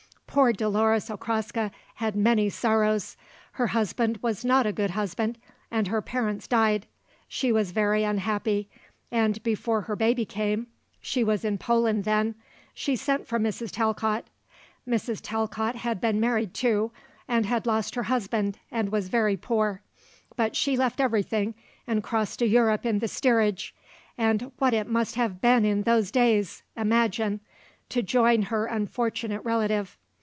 Poor Dolores Okraska had many sorrows. Her husband was not a good husband and her parents died. She was very unhappy and before her baby came she was in Poland then, she sent for Mrs. Talcott. Mrs. Talcott had been married, too, and had lost her husband and was very poor. But she left everything and crossed to Europe in the steerage and what it must have been in those days! imagine! to join her unfortunate relative.